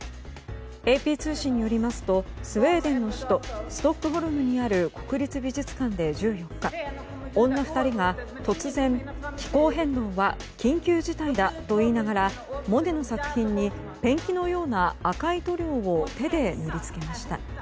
ＡＰ通信によりますとスウェーデンの首都ストックホルムにある国立美術館で１４日女２人が突然気候変動は緊急事態だと言いながらモネの作品にペンキのような赤い塗料を手で塗りつけました。